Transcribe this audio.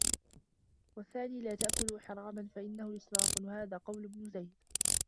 وَالثَّانِي لَا تَأْكُلُوا حَرَامًا فَإِنَّهُ إسْرَافٌ وَهَذَا قَوْلُ ابْنِ زَيْدٍ